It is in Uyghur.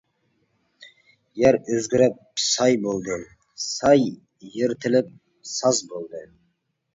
يەر ئۆزگىرىپ ساي بولدى، ساي يىرتىلىپ ساز بولدى.